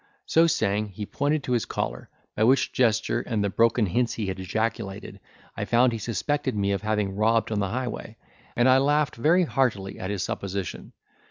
So saying, he pointed to his collar; by which gesture, and the broken hints he had ejaculated, I found he suspected me of having robbed on the highway; and I laughed very heartily at his supposition.